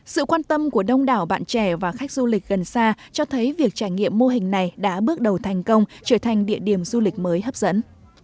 sự quan tâm của đông đảo bạn trẻ và khách du lịch gần xa cho thấy việc trải nghiệm mô hình này đã bước đầu thành công trở thành địa điểm du lịch mới hấp dẫn